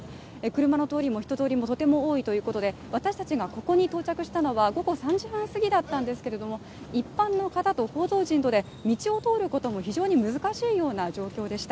車の通りも人通りもとても多いということで、私達がここに到着したのは午後３時半過ぎだったんですけれども一般の方と報道陣、道を通ることも非常に難しいような状況でした。